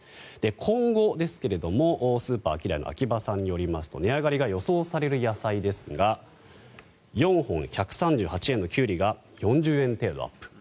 今後ですがスーパーアキダイの秋葉さんによりますと値上がりが予想される野菜ですが４本１３８円のキュウリが４０円程度アップ。